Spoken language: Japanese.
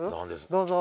どうぞ。